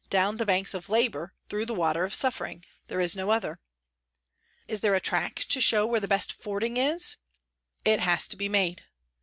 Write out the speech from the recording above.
Down the banks of Labour, through the water of suffering. There is no other.' ...' Is there a track to show where the best fording is ?'...'/< has to be made.